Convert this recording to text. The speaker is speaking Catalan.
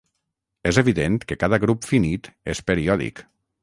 És evident que cada grup finit és periòdic.